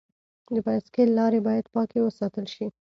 د بایسکل لارې باید پاکې وساتل شي.